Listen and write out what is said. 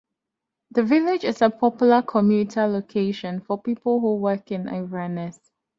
The village is a popular commuter location for people who work in Inverness.